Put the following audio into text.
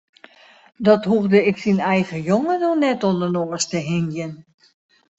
Dat hoegde ik syn eigen jonge no net oan de noas te hingjen.